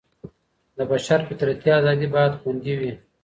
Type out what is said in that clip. د بشر فطرتي ازادي بايد خوندي وي.